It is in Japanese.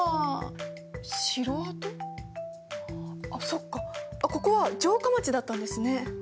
そっかここは城下町だったんですね。